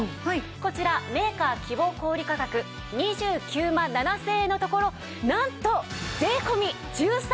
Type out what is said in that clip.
こちらメーカー希望小売価格２９万７０００円のところなんと！